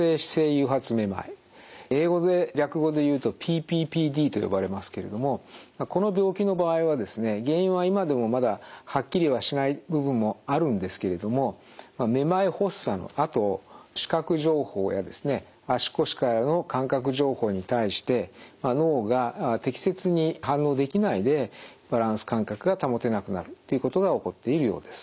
誘発めまい英語で略語で言うとＰＰＰＤと呼ばれますけれどもこの病気の場合はですね原因は今でもまだはっきりはしない部分もあるんですけれどもめまい発作のあと視覚情報や足腰からの感覚情報に対して脳が適切に反応できないでバランス感覚が保てなくなるということが起こっているようです。